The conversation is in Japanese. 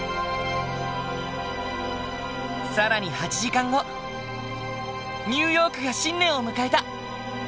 更に８時間後ニューヨークが新年を迎えた！